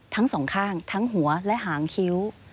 ทั้งสองข้างทั้งหัวและหางคิ้ว